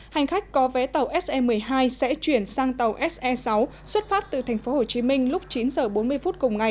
hành khách có vé tàu se một mươi hai sẽ chuyển sang tàu se sáu xuất phát từ tp hcm lúc chín h bốn mươi phút cùng ngày